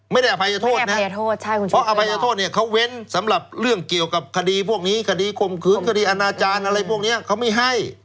อภัยโทษนะเพราะอภัยโทษเนี่ยเขาเว้นสำหรับเรื่องเกี่ยวกับคดีพวกนี้คดีข่มขืนคดีอาณาจารย์อะไรพวกนี้เขาไม่ให้